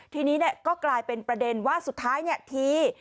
ทีนี้ก็กลายเป็นประเด็นว่าสุดท้ายที